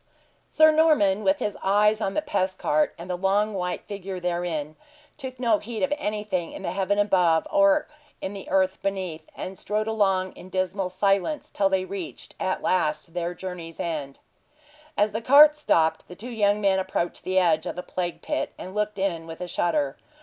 Sir Norman, with his eyes on the pest cart, and the long white figure therein, took no heed of anything in the heaven above or in the earth beneath, and strode along in dismal silence till they reached, at last, their journey's end. As the cart stopped the two young men approached the edge of the plague pit, and looked in with a shudder.